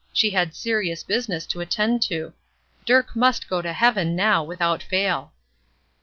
She had serious business to attend to. Dirk must go to heaven now without fail.